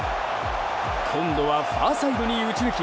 今度はファーサイドに打ち抜き